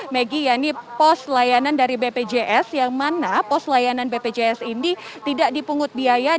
megi ya ini pos layanan dari bpjs yang mana pos layanan bpjs ini tidak dipungut biaya